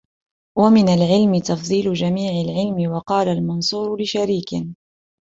وَمِنْ الْعِلْمِ تَفْضِيلُ جَمِيعِ الْعِلْمِ وَقَالَ الْمَنْصُورُ لِشَرِيكٍ